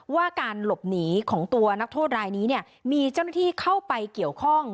ว่าการหลบหนีของตัวนักโทษรายนี้เนี่ยมีเจ้าหน้าที่เข้าไปเกี่ยวข้อง